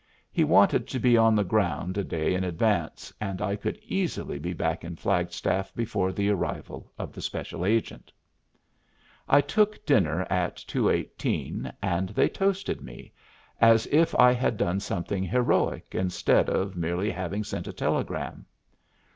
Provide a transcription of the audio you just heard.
He wanted to be on the ground a day in advance, and I could easily be back in Flagstaff before the arrival of the special agent. I took dinner in 218, and they toasted me, as if I had done something heroic instead of merely having sent a telegram.